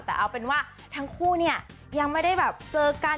แต่เอาเป็นว่าทั้งคู่เนี่ยยังไม่ได้แบบเจอกัน